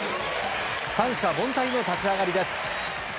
三者凡退の立ち上がりです。